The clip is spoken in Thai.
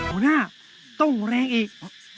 หัวหน้าต้องแรงอีก